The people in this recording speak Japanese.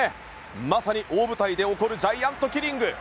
まさに大舞台で起こるジャイアントキリング。